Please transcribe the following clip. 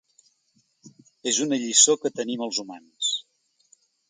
És una lliçó que tenim els humans.